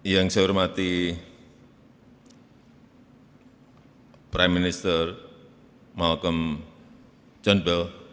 yang saya hormati prime minister malcolm john bell